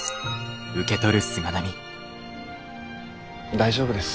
大丈夫です。